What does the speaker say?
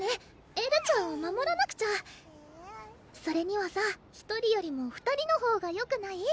エルちゃんを守らなくちゃそれにはさ１人よりも２人のほうがよくない？